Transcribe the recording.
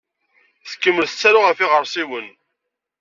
Tkemmel tettaru ɣef yiɣersiwen.